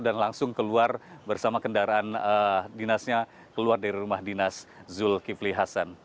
dan langsung keluar bersama kendaraan dinasnya keluar dari rumah dinas zul kifli hasan